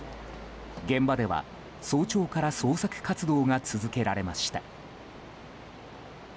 現場では、早朝から捜索活動が続けられました。